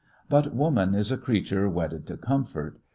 But woman is a creature wedded to comfort.